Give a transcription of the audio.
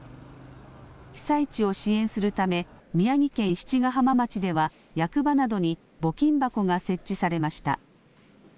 被災地を支援するため宮城県七ヶ浜町では役場などに募金箱が設置されました。